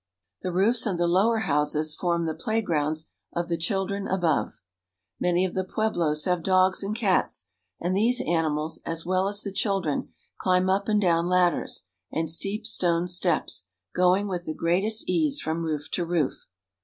The roofs of the lower houses form the playgrounds of the children above. Many of the pueblos have dogs and cats ; and these animals, as well as the children, climb up and down ladders and steep stone steps, going with the greatest ease from roof to roof.